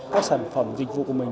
các sản phẩm dịch vụ của mình